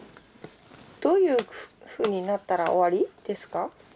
どういうふうになったら終わりですか？